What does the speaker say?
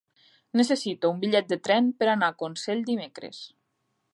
Necessito un bitllet de tren per anar a Consell dimecres.